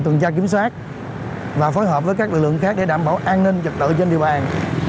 tuần tra kiểm soát và phối hợp với các lực lượng khác để đảm bảo an ninh trật tự trên địa bàn